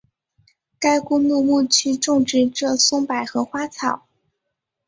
该公墓墓区种植着松柏和花草。